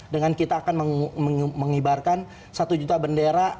dengan kita akan mengibarkan satu juta bendera